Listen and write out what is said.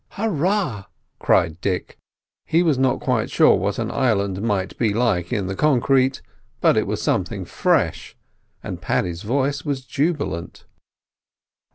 "Hurrah!" cried Dick. He was not quite sure what an island might be like in the concrete, but it was something fresh, and Paddy's voice was jubilant.